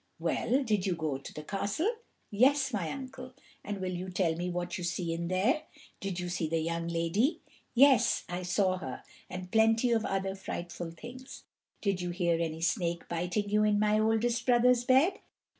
"Well, did you go to the castle?" "Yes, my uncle." "And will you tell me what you see in there? Did you see the young lady?" "Yes, I saw her, and plenty of other frightful things." "Did you hear any snake biting you in my oldest brother's bed?"